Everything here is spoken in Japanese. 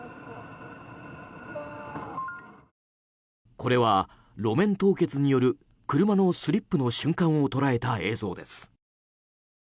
これは路面凍結による車のスリップの瞬間を捉えた映像です。